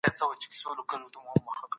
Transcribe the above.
د ژبنیو مسایلو څېړنه په ادبیاتو کې مهمه ده.